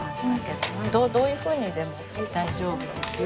どういうふうにでも大丈夫ですよ。